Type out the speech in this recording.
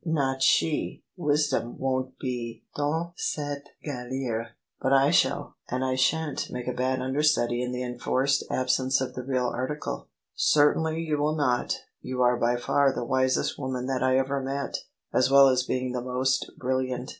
" Not she: wisdom won't be dans cette galere. But / shall ; and I shan't make a bad understudy in the enforced absence of the real article." " Certainly you will not. You are by far the wisest woman that I ever met, as well as being the most brilliant."